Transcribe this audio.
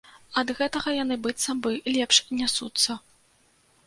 Ад гэтага яны быццам бы лепш нясуцца.